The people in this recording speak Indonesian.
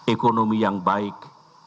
ekonomi yang baik